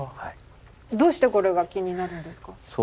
どうしてこれが気になるんですか？